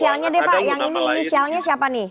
inisialnya deh pak yang ini inisialnya siapa nih